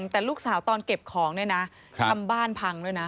แต่ลูกสาวตอนเก็บของเนี่ยนะทำบ้านพังด้วยนะ